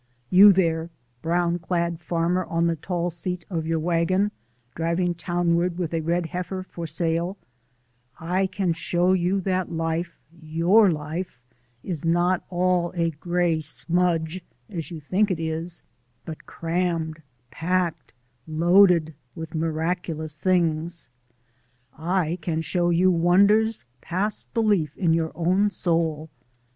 You there, brown clad farmer on the tall seat of your wagon, driving townward with a red heifer for sale, I can show you that life your life is not all a gray smudge, as you think it is, but crammed, packed, loaded with miraculous things. I can show you wonders past belief in your own soul.